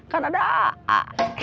karena ada a